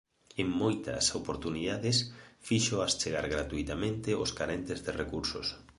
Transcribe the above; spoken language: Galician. En moitas oportunidades fíxoas chegar gratuitamente aos carentes de recursos.